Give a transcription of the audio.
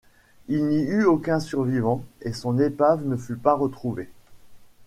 Il n'y eut aucun survivant et son épave ne fut pas retrouvée.